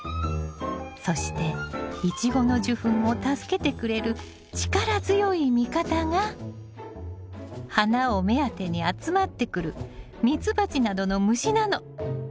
そしてイチゴの受粉を助けてくれる力強い味方が花を目当てに集まってくる蜜蜂などの虫なの！